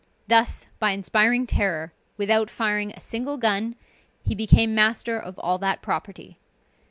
Thus, by inspiring terror, without firing a single gun, he became master of all that property.